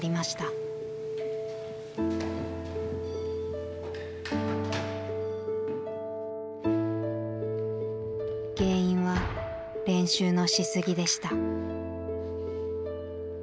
実は２月に原因は練習のしすぎでした。